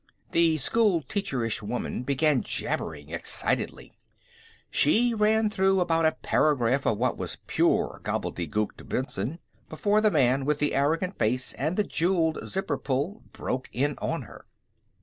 The schoolteacherish woman began jabbering excitedly; she ran through about a paragraph of what was pure gobbledegook to Benson, before the man with the arrogant face and the jewelled zipper pull broke in on her.